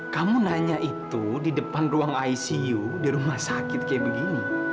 kamu nanya itu di depan ruang icu di rumah sakit kayak begini